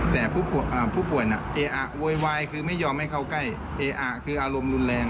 แต่ผู้ป่วยน่ะเออะโวยวายคือไม่ยอมให้เข้าใกล้เออะคืออารมณ์รุนแรง